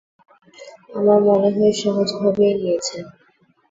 আমার মনে হয় সহজভাবেই নিয়েছেন।